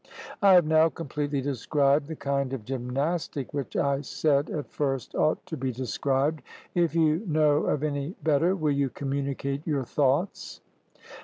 I have now completely described the kind of gymnastic which I said at first ought to be described; if you know of any better, will you communicate your thoughts?